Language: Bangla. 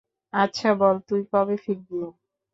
আচ্ছা বল, তুই কবে ফিরবি?